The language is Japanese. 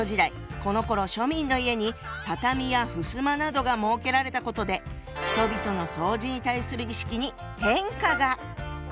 このころ庶民の家に畳やふすまなどが設けられたことで人々の掃除に対する意識に変化が！